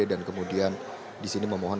kemudian di sini memohon